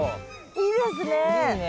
いいですね。